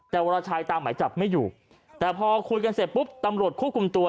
แต่วรชัยตามหมายจับไม่อยู่แต่พอคุยกันเสร็จปุ๊บตำรวจควบคุมตัว